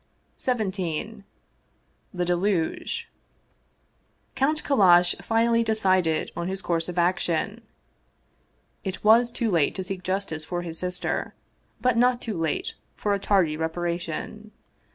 XVII THE DELUGE COUNT KALLASH finally decided on his course of action. It was too late to seek justice for his sister, but not too late for a tardy reparation.